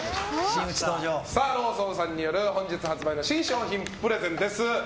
ローソンさんによる本日発売の新商品プレゼンです。